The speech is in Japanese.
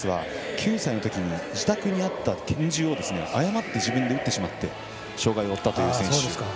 ９歳のときに自宅にあった拳銃を誤って自分で撃ってしまって障がいを負ったという選手。